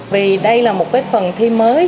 vì đây là một cái phần thi mới